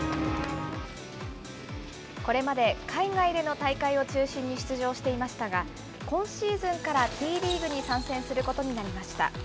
これまで海外での大会を中心に出場していましたが、今シーズンからＴリーグに参戦することになりました。